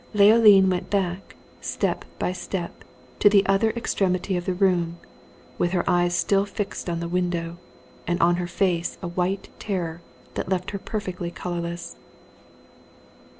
Leoline went back, step by step, to the other extremity of the room, with her eyes still fixed on the window, and on her face a white terror, that left her perfectly colorless.